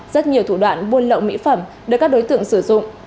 rất nhiều thủ đoạn buôn lậu mỹ phẩm được các đối tượng sử dụng